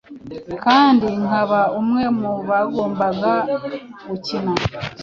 kandi nk'aba umwe mu bagombaga gukina.